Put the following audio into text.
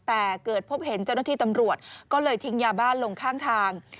แต่เกิดพบเห็นเจ้าหน้าที่ตำรวจก็เลยทิ้งยาบ้านลงข้างทาง